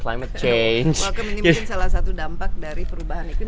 makam ini mungkin salah satu dampak dari perubahan iklim